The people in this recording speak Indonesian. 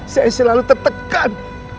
saya selalu tertekan